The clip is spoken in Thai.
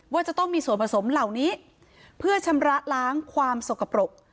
ว่าจะต้องมีส่วนผสมเหล่านี้เพื่อชำระล้างความสกปรก